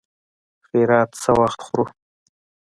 خيرات څه وخت خورو.